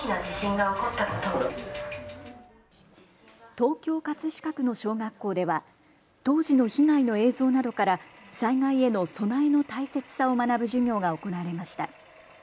東京葛飾区の小学校では当時の被害の映像などから災害への備えの大切さを学ぶ授業が行われました。